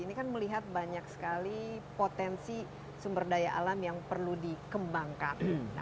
ini kan melihat banyak sekali potensi sumber daya alam yang perlu dikembangkan